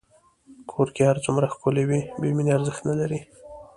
کور که هر څومره ښکلی وي، بېمینې ارزښت نه لري.